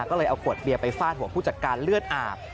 ก็เลยเอาขวดเบียร์ไปฟาดหัวผู้จัดการเลือดอาบ